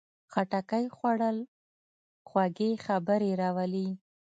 خټکی خوړل خوږې خبرې راولي.